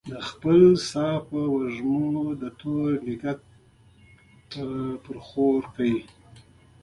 د خپل ساه په وږمو تور نګهت پرې خپور کړه